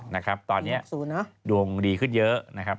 นะครับตอนนี้ดวงดีขึ้นเยอะนะครับ